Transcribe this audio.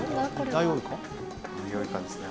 「ダイオウイカですね